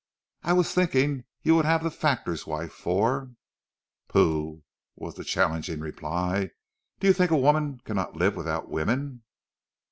"I was thinking you would have the factor's wife for " "Pooh!" was the challenging reply. "Do you think a woman cannot live without women?"